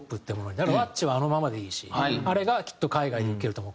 だからｗａｃｃｉはあのままでいいしあれがきっと海外でウケると思う。